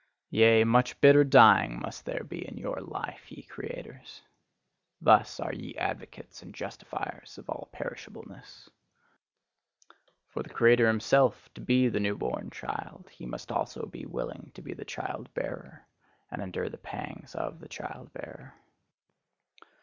Yea, much bitter dying must there be in your life, ye creators! Thus are ye advocates and justifiers of all perishableness. For the creator himself to be the new born child, he must also be willing to be the child bearer, and endure the pangs of the child bearer.